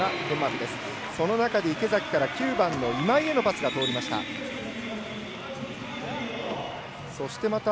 その中で池崎から９番の今井へのパス通りました。